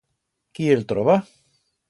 Quí el troba?